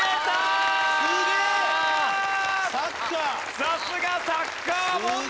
さすがサッカー問題！